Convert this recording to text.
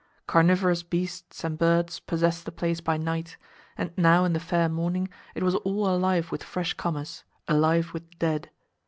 Carnivorous beasts and birds possess the place by night, and now in the fair morning it was all alive with fresh comers—alive with dead.